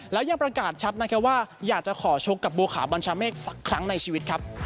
แล้วยังประกาศชัดนะครับว่าอยากจะขอชกกับบัวขาวบัญชาเมฆสักครั้งในชีวิตครับ